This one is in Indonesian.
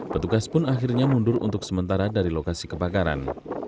petugas pun akhirnya mundur untuk sementara dari lokasi kebakaran